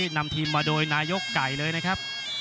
นำทีมมาโดยนายกไก่เลยนะครับ